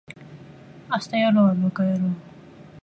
明日やろうはバカやろう